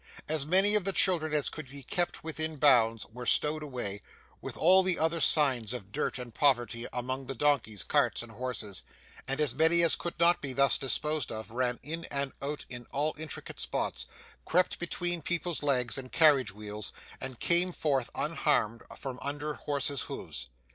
As many of the children as could be kept within bounds, were stowed away, with all the other signs of dirt and poverty, among the donkeys, carts, and horses; and as many as could not be thus disposed of ran in and out in all intricate spots, crept between people's legs and carriage wheels, and came forth unharmed from under horses' hoofs.